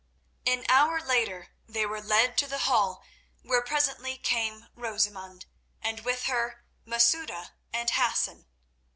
An hour later they were led to the hall, where presently came Rosamund, and with her Masouda and Hassan.